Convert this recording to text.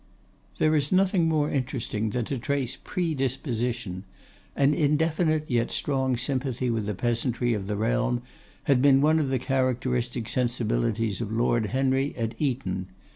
There is nothing more interesting than to trace predisposition. An indefinite, yet strong sympathy with the peasantry of the realm had been one of the characteristic sensibilities of Lord Henry at Eton.